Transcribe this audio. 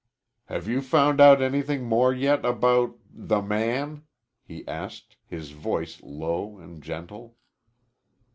"Have you found out anything more yet about the man?" he asked, his voice low and gentle.